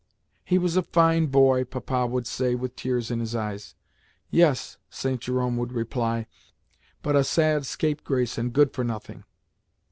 "He was a fine boy," Papa would say with tears in his eyes. "Yes," St. Jerome would reply, "but a sad scapegrace and good for nothing."